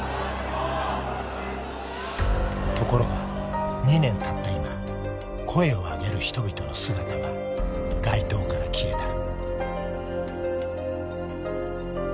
ところが２年たった今声を上げる人々の姿は街頭から消えた。